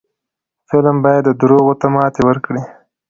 فلم باید دروغو ته ماتې ورکړي